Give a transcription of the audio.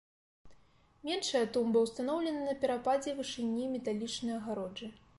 Меншая тумба ўстаноўлена на перападзе вышыні металічнай агароджы.